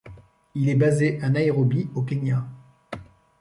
Il est basé à Nairobi, au Kenya.